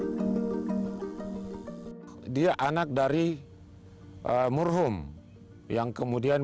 menjadi penjaga di seminggu wilayah untuk berakhir sebagai penjaga makam meminta wilayah untuk berakhir